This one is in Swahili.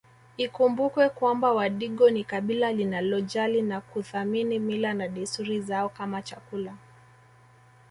Ikumbukwe kwamba wadigo ni kabila linalojali na kuthamini mila na desturi zao kama chakula